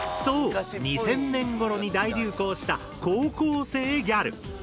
そう２０００年ごろに大流行した高校生ギャル！